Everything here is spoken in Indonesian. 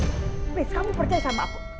habis kamu percaya sama aku